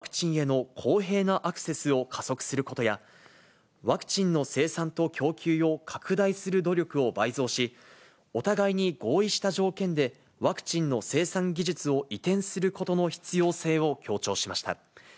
首脳らはコロナ対応について協議し、首脳声明では安全で有効で、手の届く価格のワクチンへの公平なアクセスを加速することや、ワクチンの生産と供給を拡大する努力を倍増し、お互いに合意した条件でワクチンの生産技術を移転することの必要性を強調しました。